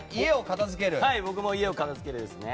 僕も家を片付けるですね。